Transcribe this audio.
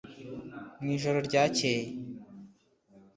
mu ijoro ryakeye